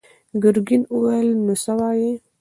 ګرګين وويل: نو څه وايې؟